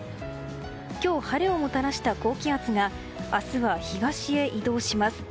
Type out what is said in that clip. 今日、晴れをもたらした高気圧が明日は東へ移動します。